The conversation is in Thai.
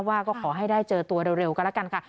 ว่าก็ขอให้ได้เจอตัวเร็วก็แล้วกันค่ะ